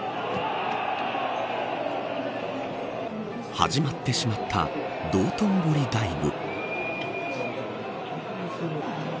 始まってしまった道頓堀ダイブ。